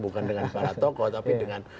bukan dengan para tokoh tapi dengan